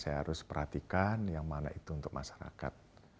saya harus perhatikan yang mana itu untuk masyarakat